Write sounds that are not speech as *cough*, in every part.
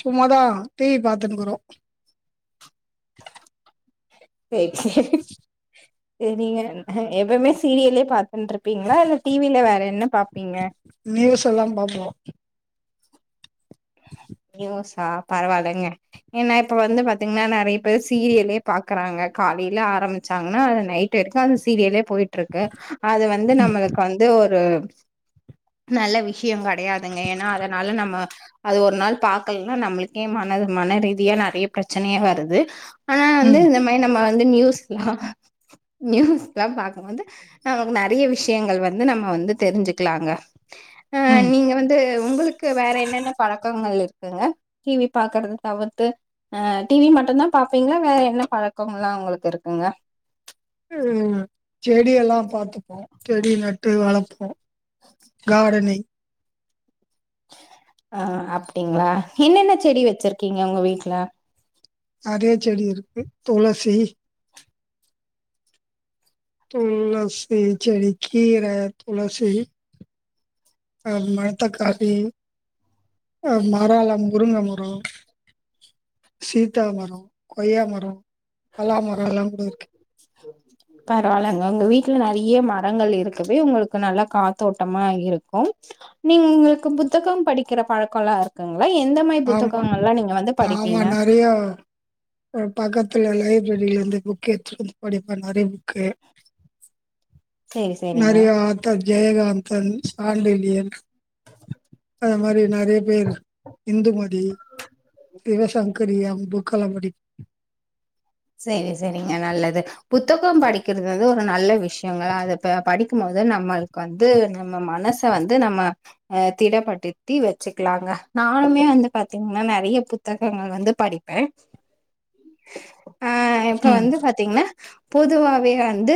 சும்மாதான் டிவி பார்த்தனுங்கறோம் சரிக்கு *inaudible* சரிங்க எப்பவுமே சீரியலே பார்த்த பிருப்பீங்களா இல்ல டிவில வேற என்ன பாப்பீங்க எல்லாம் பாப்போம் *inaudible* யோசா பரவாயில்லைங்க ஏன்னா இப்ப வந்து பாத்தீங்கன்னா நிறைய பேர் சீரியலே பாக்குறாங்க காலையில ஆரம்பிச்சாங்கன்னா அது நைட் வரைக்கும் அந்த சீரியலே போயிட்டு ட்ருக்கு அது வந்து நம்மளுக்கு வந்து ஒரு நல்லெ வி ஷியம் கெடையாதுங்க ஏனா அதனால நம்ம அது ஒரு நாள் பாக்கலன்னா நம்ளுக்கே மனது மன ரீதியா நெறைய பிரச்சனையா வருது ஆனா வந்து ம் இந்த மாரி நம்ம வந்து நியூஸ்லா நியூஸ்லாம் பாக்கும் போது நமக்கு நெறைய விஷ்யங்கள் வந்து நம்ம வந்து தெரிஞ்சுக்லாங்க அஹ் ம் நீங்க வந்து உங்ளுக்கு வேற என்னென்ன பழக்கங்கள் இருக் குங்க டிவி பாக்குறத தவிர்த்து அஹ் டிவி மட்டும்தான் பாப்பீங்கள வேற என்ன பழக்கங்லாம் உங்ளுக்கு இருக்குங்க உஹம் செடிய எல்லாம் பாத்துப்போம் செடி நட்டு வளப்போம் கார்டென்னிங் அஹ் அப்டிங்களா என்னென்ன செடி வச்சிருக்கிங்க உங்க வீட்லெ நெறைய செடி இருக்கு துளசி துளசி செடி கீரை துளசி அஹ் மனத்தக்காளி அஹ் மரோல்லாம் முருங்க மரம் சீத்தா மரம் கொய்யா மரம் அல்லாம் மரமு ல்லாம் கூட இருக் பரவாயில்லங்க உங்க வீட்ல நெறைய மரங்கள் இருக்குவே உங்ளுக்கு நல்ல காத்தோட்டமா இருக்கும் நீங் உங்ளுக்கு புத்தகம் படிக்கிற பழக்கல்லாம் இருக்குங் ஆமா ஆமா படிப்பீங்க? நெறையா பக்கத்துல லைப்ரரில இருந்து புக் கெடுத்து வந்து படிப்பன் நெறைய புக் க்கு சேரி சேரிங்க. நெறைய ஆத்தர் ஜெயகாந்தன் சாண்டிலியன் அது மாரி நெறைய பேர் சிவசங்கரி அம்புக்குல படிப் செரி செரிங்க நல்லது புத்தகம் படிக்கிறது ந்து ஒரு நல்ல விஷ்யங்கள் அத படிக்கும்போது நம்ளுக்கு வந்து நம்ம மனச வந்து நம்ம அஹ் திடப்படுத்தி வச்சுக்லாங்க நானுமே வந்து பாத்திங்கனா நெறைய புத்தகங்கள் வந்து படிப்பேன் ஆஹ் இப்ப ம், வந்து பாத்திங்கனா பொதுவாவே வந்து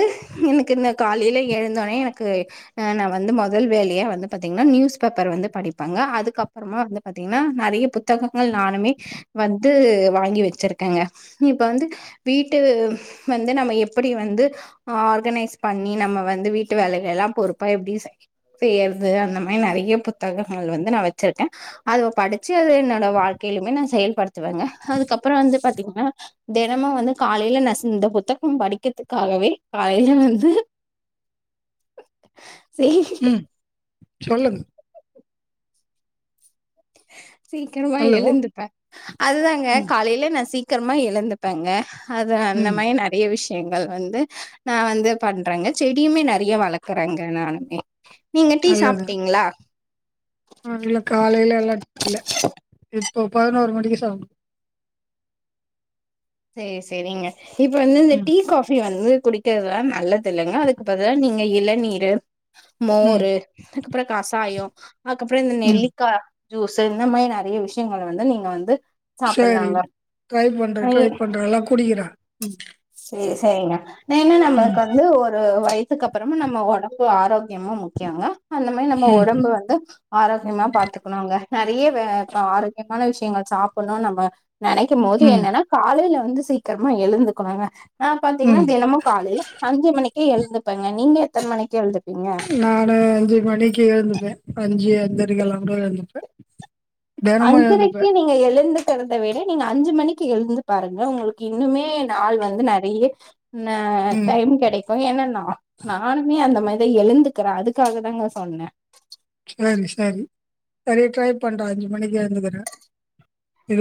என்க்கு இந்த காலையில எழுந்தோனே எனக்கு ஹ நான் வந்து மொதல் வேலையா வந்து பாத்திங்கனா நியூஸ் பேப்பர் வந்து படிப்பாங்க அதுக்கப்பறமா வந்து பாத்திங்கனா நெறைய புத்தகங்கள் நானுமே வந்து வாங்கி வச்சிருக்கேங்க இப்போ வந்து வீட்டு வந்து நம்ம எப்டி வந்து ஹ ஆர்கனைஸ் பண்ணி நம்ம வந்து வீட்டு வேலைகள் எல்லாம் பொறுப்பா எப்டி செய் செய்யறது அந்த மாதுரி நெறைய புத்தகங்கள் வந்து நான் வச்சிருக்கேன் அத படிச்சு அத என்னோட வாழ்க்கையிலுமே நான் செயல்படுத் த்துவாங்க அதுக்கப்புறம் வந்து பாத்திங்னா தே னுமு வந்து காலையில நா ஸ் இந்த புத்தகம் படிக்கிறதுக்காகவே காலையில வந்து செரி ம். சொல்லுங்க சீக்கிரமா ஹலோ. எழுந்துப்பேன் அதுதாங்க ம், காலையில நான் சீக் க்கிரமா எழுந்துப்பேங்க அது அந்த ம். மாரி நெறைய விஷ் யங்கள் வந்து நான் வந்து பண்றேங்க செடியுமே நெறைய வளக்குறேங்க நானுமே நீங்க டீ சாப்பிட்டீங்களா அம் இல்ல காலைல *unintelligible* ஒரு பதினொரு மணிக்கு சாப்ட சரி சரிங்க இப்ப வந்து இந்த ம், டீ காபி வந்து குடிக்கிறதுலா நல்லது இல்லைங்க அதுக்கு பதிலா நீங்க இளநீர் ம், மோரு அதுக்கப்புறம் கசாயம் அதுக்கப்புறம் இந்த ம். நெல்லிக்காய் ஜூஸ் இந்த மாதிரி நிறைய விஷயங்கள் வந்து நீங்க வந்து சரி சாப்பிட்லாங்க ட்ரை பண்றன் ட்ரை பண்ற எல்லா குடிகிறா ம் சரி சரிங்க என்ன்ன ம், நம்மளுக்கு வந்து ஒரு வயச இதுக்கப்புறமா நம்ம உடம்பு ஆரோக்கியமும் முக்கியங்க அந்த மாதிரி நம்ம ம், உடம்பு வந்து ஆரோக்கியமா பாத்துக்கணும்ங்க நிறைய ஆரோக்கியமான விஷயங்கள் சாப்ப ன்னு நம்ம நினைக்கும் போது ம், என்னன்னா காலையில வந்து சீக்கிரமா எழுந்துக்குணு ங்க ஆ பாத்தீங்கன்னா ம். தினமும் காலையில் அஞ்சு மணிக்கே எழு இருப்பங்க நீங்க எத்தனை மணிக்கு எழுது நான்னு அஞ்சு மணிக்கு எழுந்துப்பேன் அஞ்சு அஞ்சரி கலாம் கூட எல்ந்துப்ப அஞ்சறைக்கு நீங்க எழுந்துட்டுறத விட நீங்க அஞ்சு மணிக்கு எழுந்து பாருங்க உங்களுக்கு இன்னுமே நாள் வந்து நெறைய ஆ ம். டைம் கெடைக்கும் ஏனன்னா நானுமே அந்த மாரி இத எழுந்துக்கிறே அதுக்காக தாங்க சொன்னே செரி செரி செரி ட்ரை பண்றே அஞ்சு மணிக்கு எந்துக்கறே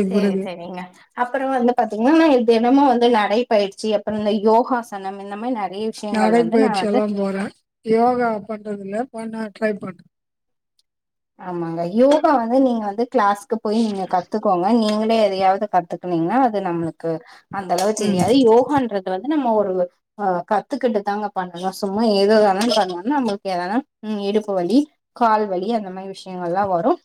செரி செரிங்க அப்புறோ வந்து பாத்தீங்கன்னா ந தினமும் வந்து நடைபயிற்சி அப்பறோ இந்த யோகாசனம் இந்த மாரி நே நடைப்பயிற்சி எல்லாம் போறே யோகா பண்றதுல பண்ண ட்ரை பண்ற ஆமாங்க யோகா வந்து நீங்க வந்து கிளாஸ்க்கு போய் நீங்க கத்துக்கோங்க நீங்க எதையாவது கத்துக்கனீங்கன்னா அது நம்மளுக்கு அந்த அளவு ம். தெரியாது யோகன்றது வந்து நம்ம ஒரு அஹ் கத்துக்கிட்டு தாங்க பண்ணணு சும்மா ஏதோதான பண்ணும்னா நம்மளுக்கு எதானா இடுப்பு வலி கால் வலி இந்த மாரி விஷயங்கள் எலாம் வரும்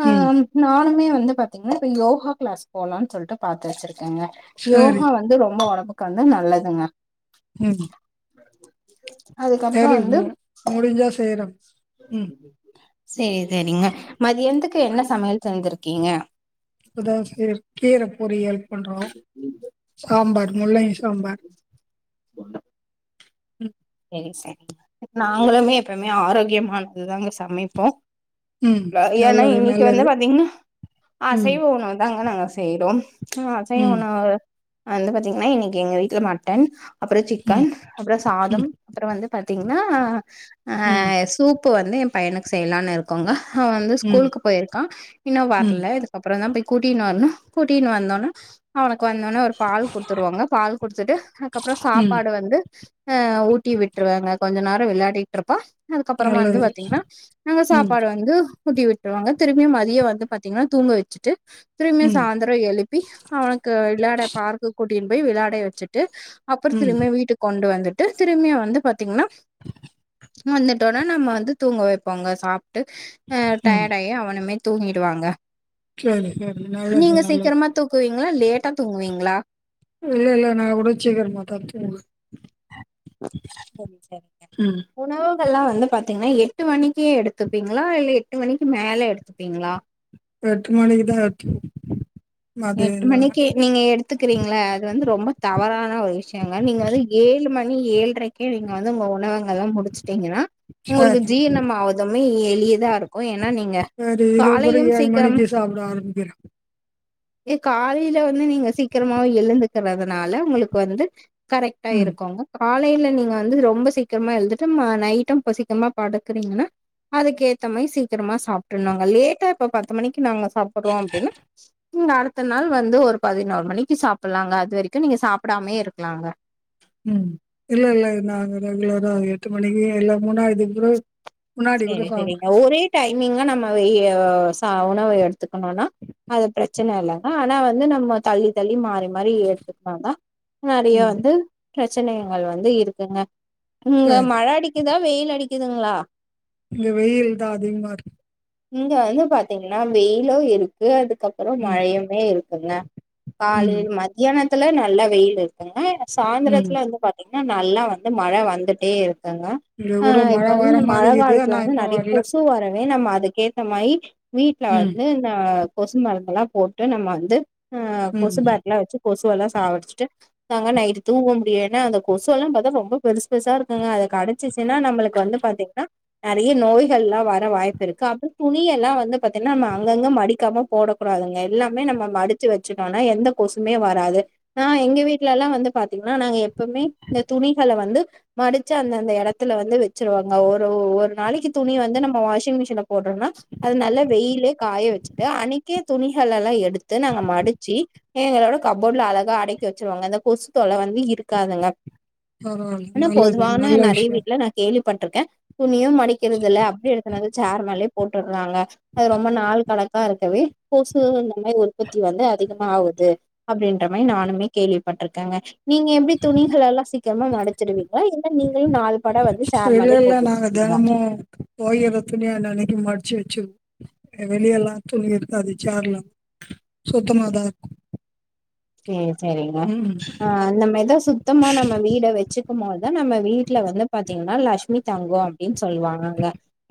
ஆ ம். நானு மே வந்து பாத்தீங்கன்னா இப்ப யோகா கிளாஸ் போலான்னு சொல்ட்டு பாத்து வச்சிருக்கேன் இருக்கங்க சரி. யோகா வந்து ரொம்ப ஒடம்பு உக்காந்த நல்லதுங்க ம் அதுக்கப்புறோ செரி வந்து மு முடிஞ்சா செய்றோ *inaudible* செரி செரிங்க மதியன்ந்துக்கு க்கு என்ன சமையல் செஞ்சிருக்கீங்க பொறியியல் பண்றோ சாம்பார் முள்ளங்கி சாம்பார் தொன்னா ம் செரி செரிங்க நாங்களுமே எப்பவுமே ஆரோக்கியமானது தாங்க சமைப்போம் ம். ஏன்னா நல்லது, இன்னைக்கு வந்து நல்லது. பாத்தீங்கன்னா ம். அசைவ உணவு தாங்க ஆனா செய்றோ ஆ அசைவ ம். உணவுகள் வந்து பாத்தீங்கன்னா இன்னைக்கு எங்க வீட்ல மட்டன் அப்புறோ ம். சிக்கன் அப்புறோ சாதம் ம். அப்புறோ வந்து பாத்தீங்கன்னா ம். அஹ் சூப் கீழ வந்து எ பையனுக்கு செய்யலான் இருக்கோங்க அவ வந்து ம். ஸ்கூலுக்கு போயிருக்கா இன்னு ம். வர்ல இதுக்கப்றந்தா போய் கூட்டின்னு வர்ணு கூட்டின்னு வந்தோனா அவனுக் கு வந்தோனே ஒரு பால் குடுத்துருவேங்க பால் குடிச்சுட்டு அதுக்கப்ற ம். சாப்பாடு வந்து ஆஹ் உப் ட்டி விட்ருவேங்க கொஞ்ச நேர வெளயாடிட்ருப்பா அதுக்கப்பறமா வந்து நல்லது. பாத்தீங்னா நாங்க ம். சாப்பாடு வந்து ஊட்டி விட்ருவாங்க திருப்பியும் மதிய வந்து பாத்தீங்கனா தூங்க வச்சுட்டு திரும்பியு ம். சாய்ந்தர எழுப்பி அவனுக்கு விளாட பார்க்க்கு கூட் டின் போய் விளாட வச்சிட்டு அப்ற ம். திரும்ப வீட்டுக்கு கொண்டு வந்து டஸ் திறமையா வந்தா பாத் திங்ளா உம் வந்துட் இப்பதா நம்ம வந்து தூங்க வைப்பாங்க சாப்ட் ட்டு நாங்க ம். டயர்ட்டாயி அவன மாரி தூங்கிடுவாங்க சரி, சரி. நல்லது, நீங்க நல்லது. சீக்கிரமா தூக்குவீங்ளா லேட்டா தூங்குவீங்ளா இல்ல இல்ல நா கூட சீக்கரமாதா தூங்குவே செரி செரிங்க ம். உணவு இப்ப எல்லா வந்து பாத்தீங்னா எட்டு மணிக்கே எடுத்துப்பீங்களா இல்ல எட்டு மணிக்கு மேல எடுத்துப்பீங்களா எட்டு மணிக்குதா எடுத்துக் எட்டு மணிக்கு நீங்க எடுத்துக்றீங்ள அது வந்து ரொம்ப தவறான ஒரு விஷ்யங்க நீங்க வந்து ஏழு மணி ஏழ்ரைக்கே நீங்க வந்து உங்க உணவங்கள்லா முடிச்சுட்டீங்கனா உங்களுக்கு சரி ஜீர்ணம் ஆவதுமே எளிதா இருக் சேரி இனிமே தோழி ஏழு மணிக்கு சாப்ட ஆரம்பிக்கிறே ஏ காலையில வந்து நீங்க சீக்கிரமாவே எழுந்துக்கறதுனால உங்களுக்கு வந்து கரெக்ட்டா ம் இருக்குங்க காலைல நீங்க வந்து ரொம்ப சீக்கிரமா எழுந்துட்டு ந நைட்டும் இப்ப சீக்கிரமா படுக்கறீங்கனா அதுக்கேத்த மாரி சீக்கிரமா சாப்ட்றனுங்க லேட்டா இப்ப பத்து மணிக்கு நாங்க சாப்பிட்றோ அப்டினா நீங்க அடுத்த நாள் வந்து ஒரு பதினோரு மணிக்கு சாப்பிட்லாங்க அது வரைக்கு நீங்க சாப்டாமே இருக்கலாங்க உம் இல்ல இல்ல இனி நாங்க ரெகுலரா எட்டு மணிக்கே எல்லாம் முன்னாடி கிடுகிடு முன்னாடி கூட செரி சாப்ட் செரிங்க ஒரே டைமிங்கா நம்ம எ ஆஹ் சா உணவு எடுத்துக்கணுனா அது பிரச்சன இல்லங்க ஆனா வந்து நம்ம தள்ளி தள்ளி மே ந்த மாரி ஒர்க்கு எடுத்துக்கனாதா நெறைய ம் வந்து பிரச்சனைகள் வந்து இருக்குங்க அங்க சரி மழ அடிக்குதா வெயில் அடிக் க்குதுங்களா இங்க வெயில் தான் அதிக மா இருக்கு இங்க வந்து பாத்தீங்கன்னா வெயிலும் இருக்கு அதுக்கு அதுக்கப்புறம் ம் மழையுமே இருக்கும் சொன *unintelligible* ம் காலையில் மத்தியான த்துல நல்லா வெயில் இருக்குங்க ம் சாயந்திரத்துல வந்து பாத்தீங்கா நல்லா வந்து மழை வந்துட்டே இருக்கும் ங்க இங்கே கூட ஆஹ் இப்ப மழை வந்து வர இந்த மாதிரி மழை இது காலத்துல ஆனால் வந்து இன்னும் நிறைய வரல கொசு வரவே நம்ம அதுக்கு மயி வீட்டு்ல ம் வந்து ந கொசு மருந்தெல்லாம் போட்டு நம்ம வந்து ஆஹ் ம் கொசுபடி எல்லாம் வச்சு கொசுவெல்லாம் சாவடிச்சுட்டு நாங்க நைட்டு தூக முடியும்ன்னா அந்த கொசு எல்லாம் பார்த்தா ரொம்ப பெருச பெருசா இருக்குங்க அதை கடைச்சி ஏன்னா நம்மளுக்கு வந்து பாத்தீங்கன்னா நிறைய நோய்கள் எல்லாம் வர வாய்ப்பு இருக்கு அ அப்புறம் துணிய எல்லாம் வந்து பா்த்தீங்கன்னா நம்ம அங்கங்க மடிக்காம போடக்கூடாதுங்க எல்லாமே நம்ம மடிச்சு வச்சுட்டோனா எந்த கொசுமே வராது ஆஹ எங்க வீடல எல்லாம் வந்து பாார்த்தீங்கன்னா நாங்க எப்பவுமே இந்த துணிகளை வந்து மாடுச்சி அந்தந்த இடத்துல வந்து வச்சிருவோங்க ஒரு ஒரு நாளைக்கு துணி வந்து நம்ம வாஷிங் மிஷின்ல போடுறோம்னா அது நல்லா வெயில காய வச்சுட்டு அன்றனைக்கே துணிகள்ள எல்லாம் எடுத்து எடுத்து நாங்க மடிச்சு எங்களோட கப்போர்ட்ல அழகா அடைக்கி வச்சுருவாங்க அந்த கொசு தொலை வந்து இருக்காதுங்க பரவாயில்ல ஆனா நல்லது பொதுவானா நல்ல நிறைய விஷயம் வீட்டுல நான் கேள்வி பட்ருக்கான் துணியும் மடிக்கிறதுதல்ல அப்படி எடுத்துனு வந்து ச்சர் மலே போட்டுட ளங்க அது ரொம்ப நாள் கல அக்கா இருக்கவே கொசு நமை உற்பத்தி வந்து அதிகமா ஆகுது அப்படின்ற மாரி நானுமே கேள்விப்பட்டிருக்கேங்க நீங்க எப்படி துணிகள எல்லாம் சீக்கிரமா மடைச்சடுவீங்களா இல்ல நீங்களும் நால் பட வந்து சேர்மலே வெளியில போட்டு நாங்கள் வச்சிருப்பீங்களா தினமும் போகிற துணி அன்னைக்கு மடிச்சு வச்சு வெளிய எல்லாம் துணி இருக்காது சேர்லாம் சுத்தமாதான் இருக்கும் சேப் சரிங்களா ம் ஆஹ் நம்ம ஏத சுத்தமா நம்ம வீட வச்சுக்கும்போதுதான் நம்ம வீட்டுல வந்து பாத்தீங்க அன்னால லட்சுமி தங்கம் அப்படின்னு சொல்லுவாங்கங்க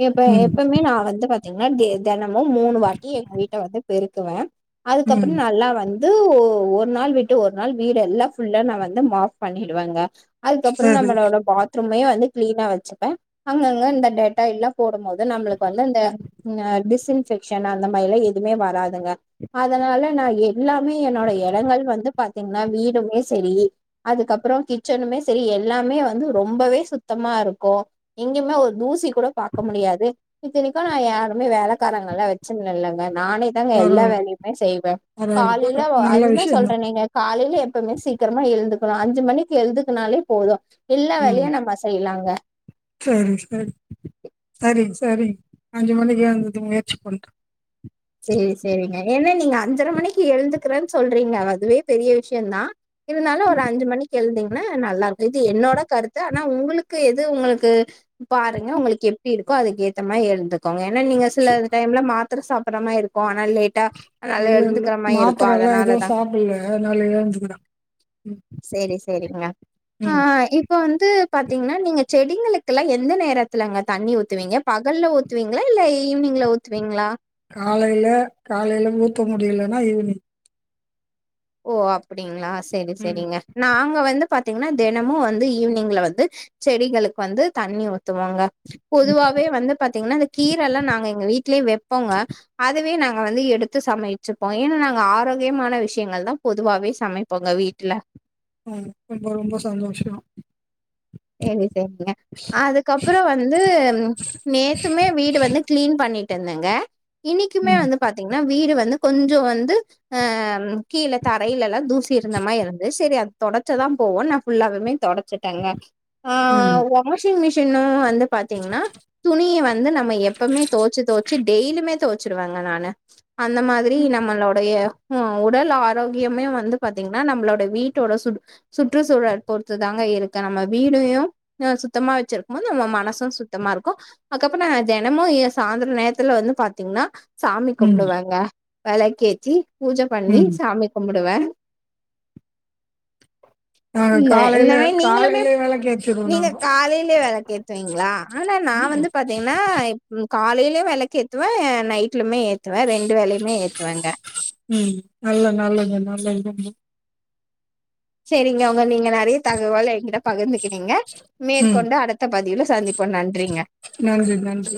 எப்ப ம். எப்பமே நான் வந்து பாத் எங்னாதே இதான மு மூணு வாட்டி எங் வீட்ட வந்து பெரு குவ அதுக்கப்புறு ம். நல்லா வந் து ஒ ஒர் நாள் விட்டு ஒரு நாள் வீடு எல்லா ஃபுல்லா நா வந்து மாஃப் பண்ணிடுவாங்க அதுக்கப்புற சரி. நம்மளோட பாத் த்ருமையே வந்து க்ளீனா வச்சப்ப அங்கங்க இந்த டேட்டாயில்லா போடும்மோது நம்மளுக்கு வந்து அ டிஸ் இன்பெக்ஷன் அந்த மாரிலா எதுவுமே வராதுங்க அதனால நா எல்லாமே என்னோட அதுனால வந்து பா்த்தீங்கன்னா வீடுமே சரி அதுக்கப்புறோ கிச்சனுமே சரி எல்லாமே வந்து ரொம்பவே சுத்தமா இருக்கு எங்யுமே ஒரு தூசி கூட பாகக்க முடியாது இத்தனிக்கு நா யாருமே வேலைக்காரங்களல்லா வச்சின்ல இல்லங்க நானே தாங்க எல்லா பரவால்ல, வேல்யுமே செய்வ பரவால்ல, காலைல பரவால்ல. நல்ல அதுதா விஷயம் சொல்ற தான். நீங்க காலையில எ பதுமே சீக்கரமா எழ்ந்துக்கணு அஞ்சி மணிக்கி எழ்துக்குனாலே போது எல்லா வேலையு நம்ம செய்லாங்க சேரி சேரி சரி சரி அஞ்சி மணிக்கு எழ்ந்தது முயற்சி பண்ற ர மணிக்கி எழுந்துக்குறன் சொல்றீங்க அதுவே பெரிய விஷ்யந்தா இருந்தாலு ஒரு அஞ்சி மணிக்கி எழ்ந்தீங்கன்னா நல்லா இருக் இது என்னோட கருத்து னா உங்களுக்கு எது உங்களுக்கு பாருங்க உங்களுக்கு எப்டி இரு க்கோ அதுக்கேத்தமாயி எழுந்துக் கோங்க ஏன்னா நீங்க சில டைம்ல மாத் த்ர சாப் பர்றாமாய் இருக்கு அ அ லேட்டா அதனால இல்ல, இல்ல. எழுந்துக்குற மாறி இருக்கு மாத்திரைலாம் எதுவும் அதனாலதா சாப்பிடல. அதனால எழுந்துக்கிறேன். ம். சேரி சேரிங்க அ ஆ ம். இப்ப வந் து பாத்தீங்கன்னா நீங்க செடிங்களுக்கெல்லா எந்த நேரத்துலங்க தண்ணி ஊத்துவீங்க பகல்ல ஊத்துவீங்ளா இல்ல ஈவினிங்ல ஊத்துவீங்ளா காலைல காலைல ஊத்த முடியலன்னா ஈவினிங் ஓ அப்டிங்ளா சேரி ம். சேரிங்க நாங்க வந்துப் பாத்தீங்னா தெனமு வந்து ஈவினிங்ல வந்து செடிகளுக்கு வந்து தண்ணி ஊத்துவோங்க ம். பொதுவாவே வந்து பாத்தீங்னா இந்த கீரல்லா நாங்க எங்க வீ ட்லே வெப்போங்க அதுவே நா ங்க வந்து எடுத்து சமைச்சுப்போ ஏன்னா நாங்க ஆரோக்கியமான விஷ் யங்கள்தா பொதுவாவே சமைப்போங்க வீட்ல ம் ரொம்போ ரொம்போ சந்தோஷோ ம் தெம்புல ஆ அதுக்கப்ரோ வந்து நேத்துமே வீடு வந்து கிளீன் பண்ணி டேன்னங்க இன்னீக்கிமே ம். வந்து பாத்தீங்னா வீடு வந்து கொஞ்சோ வந்து அஅ அம் கீழ தரையில்லலா தூஸ் சேர் நம்ம இருந்து சேரி ஆகு தொடச்சதாம் போனப் ஃபுல்லாவுமே தொடச்சிட்டங்க ஆ ம். வாஷிங் மிஷ் இன்னோ வந்தப் பாத்தீங்னா துணிய வந்து நம்ம எப்பவுமே தோச்சி தோச்சி டெய்லியுமே தோ ச் சிருவாங்க நானு அந்த மாதிரி ம். நம்மளுோடைய உ உடல் ஆரோக்கியமே வந்து பாார்த்தீங்கன்னா நம்மளோட வீட்டோட சு சுற்றுச்சூழல் பொறுத்து தாங்க இருக்கு நம்ம விடாயும் சுத்தமா வச்சிருக்கும் போது நம்ம மனசும் சுத்தமா இருக்கும் அதுக்கப்புறம் தினமும் சாயந்திர நேரத்துல வந்து பாத்தீங்கன்னா சாமி ம். கும்பிடுுவாங்க வெளகேதி பூஜை பண்ணி ம். சாமி கும்பிட்டு வேர ஆஹ காலையில காலையில நீங்க காலையிலயே வெளக் கேத்துவீங்களா ஆனா நான் வந்து பாத்தீங்கன்னா ப் காலையிலயே விளக்கு ஏத்துவே நைட்லுமே ஏ உம் நல்ல நல்லது நல்லது சரிங்க உங்க நீங்க நிறைய தகவலை எங்க்கிட்ட பகர்து இரு நீங்க ம். மேற்கொண்டு அடுத்த பதிவுல சந்திப்போம் நன்றிங்க நன்றி, நன்றி.